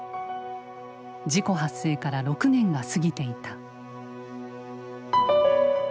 事故発生から６年が過ぎていた。